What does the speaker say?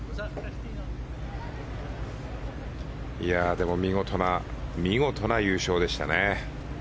でも見事な優勝でしたね。